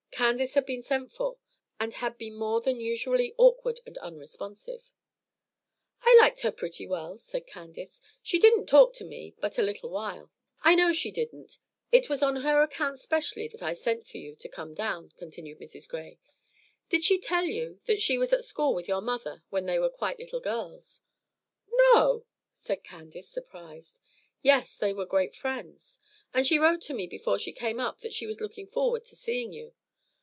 Candace had been sent for, and had been more than usually awkward and unresponsive. "I liked her pretty well," said Candace. "She didn't talk to me but a little while." "I know she didn't. It was on her account specially that I sent for you to come down," continued Mrs. Gray. "Did she tell you that she was at school with your mother when they were quite little girls?" "No!" said Candace, surprised. "Yes; they were great friends, and she wrote to me before she came up that she was looking forward to seeing you.